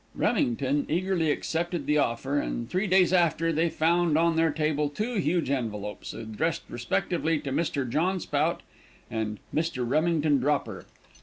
Remington eagerly accepted the offer, and three days after they found on their table two huge envelopes, addressed respectively to "Mr. John Spout," and "Mr. Remington Dropper."